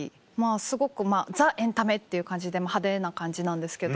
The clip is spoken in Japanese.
すごくザ・エンタメっていう感じで派手な感じなんですけど。